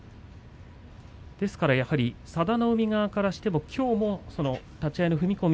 ですから佐田の海側からしますときょうも立ち合いの踏み込み